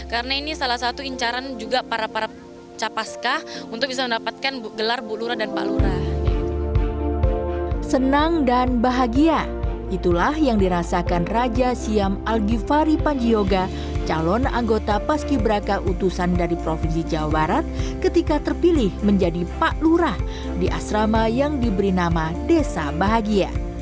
al ghifari panjiyoga calon anggota paski braka utusan dari provinsi jawa barat ketika terpilih menjadi pak lurah di asrama yang diberi nama desa bahagia